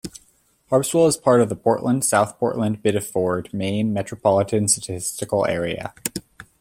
Harpswell is part of the Portland-South Portland-Biddeford, Maine Metropolitan Statistical Area.